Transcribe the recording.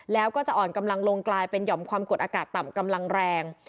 แล้วก็จะอ่อนกำลังลงกลายเป็นหย่อมความกดอากาศต่ำกำลังแรง